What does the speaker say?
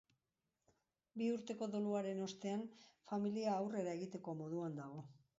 Bi urteko doluaren ostean, familia aurrera egiteko moduan dago.